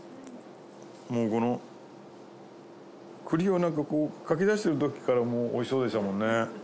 もうこの栗をなんかこうかき出してるときから美味しそうでしたもんね。